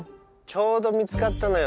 ちょうど見つかったのよ。